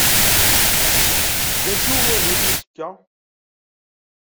D acu wahil n uzekka?